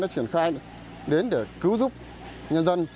triển khai đến để cứu giúp nhân dân